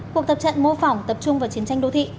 cuộc tập trận mô phỏng tập trung vào chiến tranh đô thị